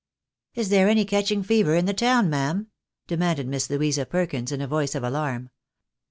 " Is there any catching fever in the town, ma'am ?" demanded Miss Louisa Perkins, in a voice of alarm.